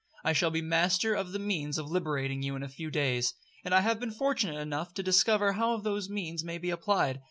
I shall be master of the means of liberating you in a few days; and I have been fortunate enough to discover how those means may be applied.